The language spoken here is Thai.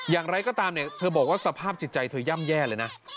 อย่างไรก็ตามเนี่ยเธอบอกว่าสภาพจิตใจเธอย่ำแย่เลยนะ